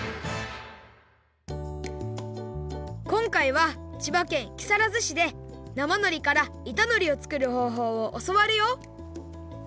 こんかいは千葉県木更津市で生のりからいたのりをつくるほうほうをおそわるよ！